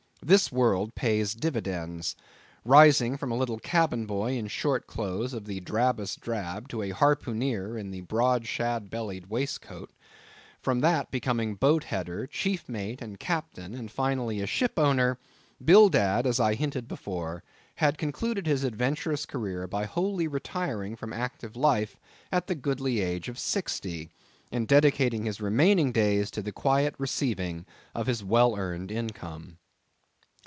This world pays dividends. Rising from a little cabin boy in short clothes of the drabbest drab, to a harpooneer in a broad shad bellied waistcoat; from that becoming boat header, chief mate, and captain, and finally a ship owner; Bildad, as I hinted before, had concluded his adventurous career by wholly retiring from active life at the goodly age of sixty, and dedicating his remaining days to the quiet receiving of his well earned income.